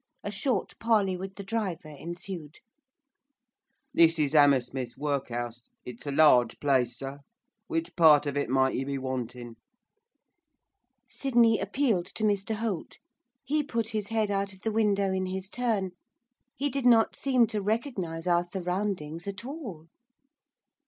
A short parley with the driver ensued. 'This is 'Ammersmith Workhouse, it's a large place, sir, which part of it might you be wanting?' Sydney appealed to Mr Holt. He put his head out of the window in his turn, he did not seem to recognise our surroundings at all.